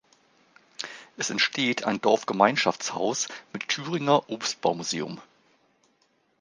Es entsteht ein Dorfgemeinschaftshaus mit Thüringer Obstbau-Museum.